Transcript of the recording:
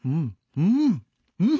うん！